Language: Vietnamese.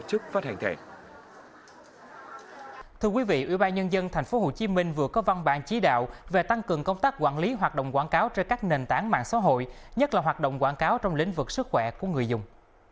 thưa quý vị ủy ban nhân dân tp hcm vừa có văn bản chí đạo về tăng cường công tác quản lý hoạt động quảng cáo trên các nên tản mạng xã hội nhất là hoạt động quảng cáo trong lĩnh vực sức khỏe của người dùng